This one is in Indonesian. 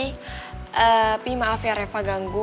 eee pi maaf ya reva ganggu